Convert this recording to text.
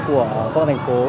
của quốc gia thành phố